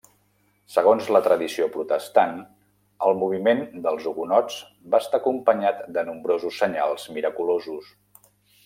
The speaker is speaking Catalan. Segons la tradició protestant, el moviment dels hugonots va estar acompanyat de nombrosos senyals miraculosos.